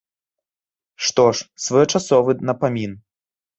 Што ж, своечасовы напамін.